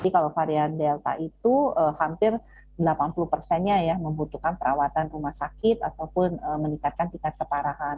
kalau varian delta itu hampir delapan puluh persennya ya membutuhkan perawatan rumah sakit ataupun meningkatkan tingkat keparahan